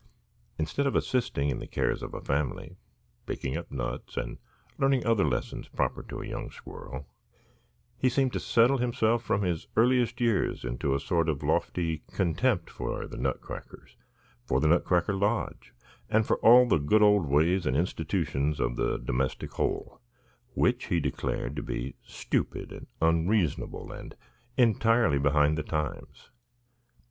Instead of assisting in the cares of a family,—picking up nuts and learning other lessons proper to a young squirrel,—he seemed to settle himself from his earliest years into a sort of lofty contempt for the Nutcrackers, for Nutcracker Lodge, and for all the good old ways and institutions of the domestic hole, which he declared to be stupid and unreasonable, and entirely behind the times.